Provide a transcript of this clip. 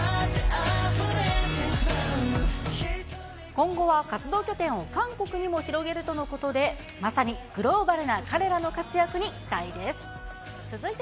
今後は活動拠点を韓国にも広げるとのことで、まさにグローバルな彼らの活躍に期待です。